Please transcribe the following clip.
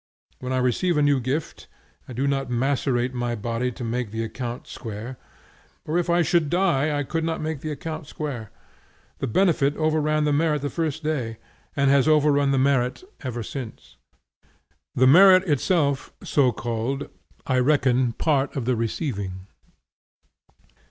When I receive a new gift, I do not macerate my body to make the account square, for if I should die I could not make the account square. The benefit overran the merit the first day, and has overrun the merit ever since. The merit itself, so called, I reckon part of the receiving.